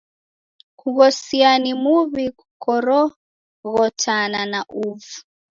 Kughosia ni muw'i kukoroghotana na uvu.